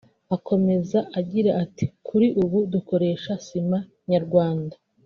Akomeza agira ati “Kuri ubu dukoresha Sima Nyarwanda